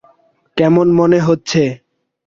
কেমন মনে হচ্ছে?